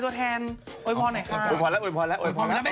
ขอให้มีบ้านอยู่มีรูแห่มีแรงยิ้มนะครับผม